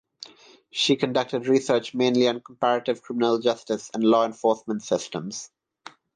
She conducted research mainly on comparative criminal justice and law enforcement systems.